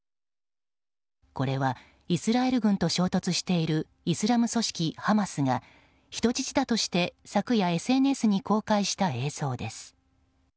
これはイスラエル軍と衝突しているイスラム組織ハマスが人質だとして昨夜ＳＮＳに公開した映像です。